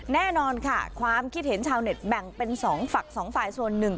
แน่นอนค่ะความคิดเห็นชาวเน็ตแบ่งเป็น๒ฝักสองฝ่ายส่วนหนึ่ง